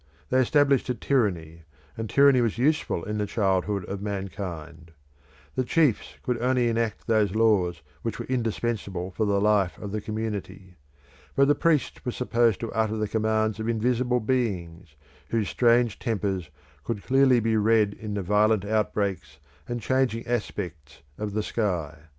They established a tyranny, and tyranny was useful in the childhood of mankind. The chiefs could only enact those laws which were indispensable for the life of the community. But the priests were supposed to utter the commands of invisible beings whose strange tempers could clearly be read in the violent outbreaks and changing aspects of the sky.